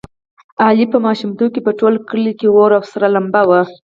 علي په ماشومتوب کې په ټول کلي کې اور او سره لمبه و.